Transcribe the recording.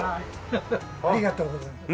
ハハッありがとうございます。